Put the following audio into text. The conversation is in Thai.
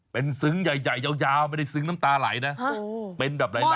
เป็นซึ้งใหญ่ยาวไม่ได้ซึ้งน้ำตาไหลนะ